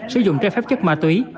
sử dụng trái phép chất ma túy